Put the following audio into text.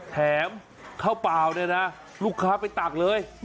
แถมเข้าเปล่าลูกค้าไปตากเลย